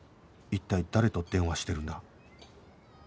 一体誰と電話してるんだ？